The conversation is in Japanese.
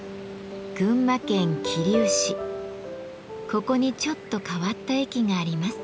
ここにちょっと変わった駅があります。